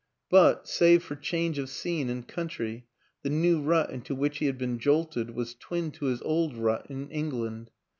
But, save for change of scene and country, the new rut into which he had been jolted was twin to his old rut in England.